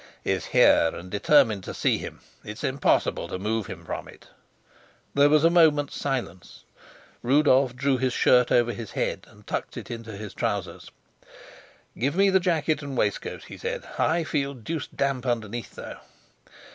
"Is here and determined to see him. It's impossible to move him from it." There was a moment's silence; Rudolf drew his shirt over his head and tucked it into his trousers. "Give me the jacket and waistcoat," he said. "I feel deuced damp underneath, though."